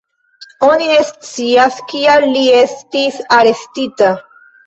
Oni ne scias kial li estis arestita.